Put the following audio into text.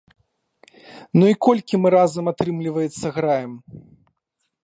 Ну і колькі мы разам атрымліваецца граем?